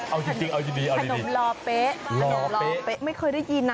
เอาจริงเอาจริงเอาดีขนมหล่อเป๊ะหล่อเป๊ะไม่เคยได้ยินนะคะ